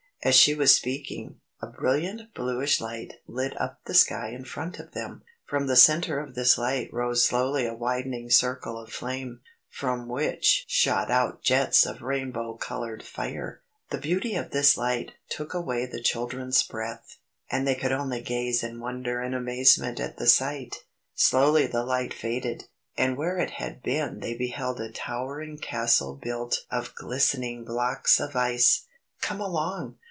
As she was speaking, a brilliant bluish light lit up the sky in front of them. From the centre of this light rose slowly a widening circle of flame, from which shot out jets of rainbow coloured fire. The beauty of this light took away the children's breath, and they could only gaze in wonder and amazement at the sight. Slowly the light faded, and where it had been they beheld a towering Castle built of glistening blocks of ice. "Come along!